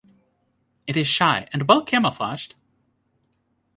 It is shy and well camouflaged.